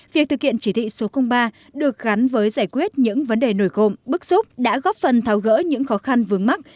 việc thực hiện chỉ thị số ba được gắn với giải quyết những vấn đề nổi cộng bức xúc đã góp phần tháo gỡ những khó khăn vướng mắt